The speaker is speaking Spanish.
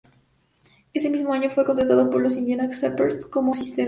Ese mismo año fue contratado por los Indiana Pacers como asistente.